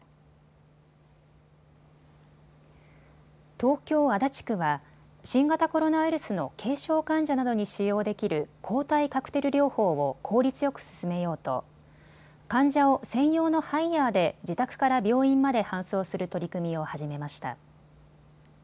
東京足立区は新型コロナウイルスの軽症患者などに使用できる抗体カクテル療法を効率よく進めようと患者を専用のハイヤーで自宅から病院まで搬送する取り組みを始めました。